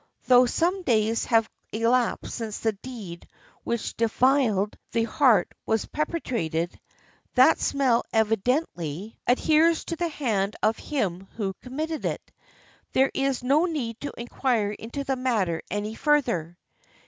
Though some days have elapsed since the deed which defiled the heart was perpetrated, that smell evidently 373 JAPAN adheres to the hand of him who committed it. There is no need to inquire into the matter any further."